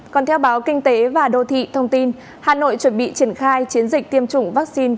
còn theo báo kinh tế và đô thị thông tin hà nội chuẩn bị triển khai chiến dịch tiêm chủng vaccine